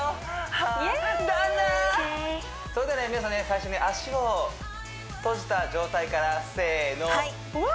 オーケーそれではね皆さんね最初に足を閉じた状態からせーのわ！